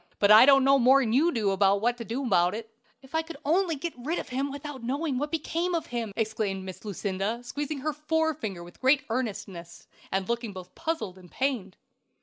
But I don't know no more'n you do what to do abaout it." "If I could only get rid of him without knowing what became of him!" exclaimed Miss Lucinda, squeezing her forefinger with great earnestness, and looking both puzzled and pained.